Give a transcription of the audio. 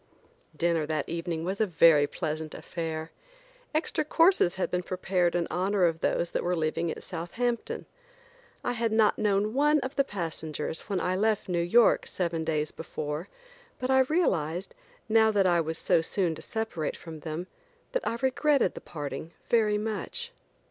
Dinner that evening was a very pleasant affair. Extra courses had been prepared in honor of those that were leaving at Southampton. I had not known one of the passengers when I left New York seven days before, but I realized, now that I was so soon to separate from them, that I regretted the parting very much.